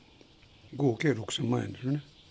合計６０００万円ですよね。